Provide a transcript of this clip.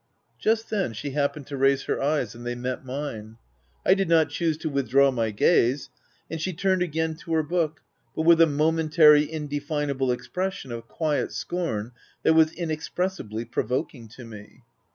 Just then, she happened to raise her eyes, and they met mine, I did not choose to with draw my gaze, and she turned again to her book, but with a momentary, indefinable ex pression of quiet scorn, that was inexpressibly provoking to me.